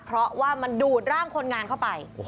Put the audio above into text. เพราะว่ามันดูดร่างคนงานเข้าไป